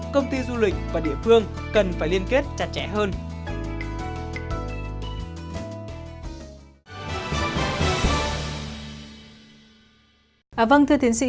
công ty du lịch và địa phương cần phải liên kết chặt chẽ hơn